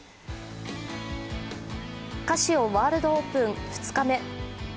カシオワールドオープン２日目。